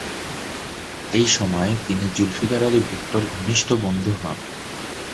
এই সময়ে তিনি জুলফিকার আলী ভুট্টোর ঘনিষ্ঠ বন্ধু হন।